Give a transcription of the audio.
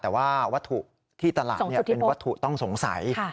แต่ว่าวัตถุที่ตลาดเป็นวัตถุต้องสงสัย